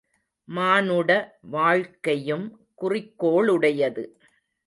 மானுட வாழ்க்கையும் குறிக்கோளுடையது.